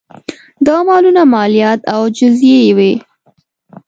دا مالونه مالیات او جزیې وې